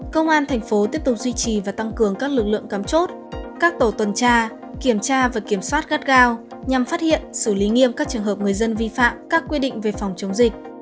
công an thành phố tiếp tục duy trì và tăng cường các lực lượng cắm chốt các tổ tuần tra kiểm tra và kiểm soát gắt gao nhằm phát hiện xử lý nghiêm các trường hợp người dân vi phạm các quy định về phòng chống dịch